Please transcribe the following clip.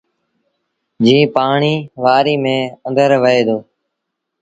جيٚن پآڻيٚ وآريٚ ميݩ آݩدر وهي دو۔